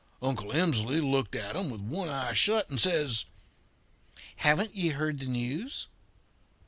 Uncle Emsley looked at 'em with one eye shut and says: "'Haven't ye heard the news?'